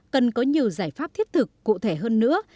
cần có nhiều giải pháp thiết thực cụ thể hơn nữa